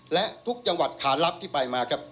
และทุกจังหวัดขาลับที่ไปมาครับ